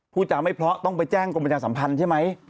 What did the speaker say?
ก็ต้องไปแจ้งกรมประชาสัมพันธ์ใช่ไหม